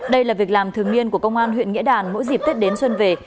đây là việc làm thường niên của công an huyện nghĩa đàn mỗi dịp tết đến xuân về